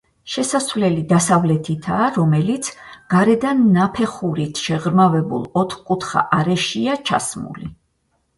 შესასვლელი დასავლეთითაა, რომელიც გარედან საფეხურით შეღრმავებულ ოთხკუთხა არეშია ჩასმული.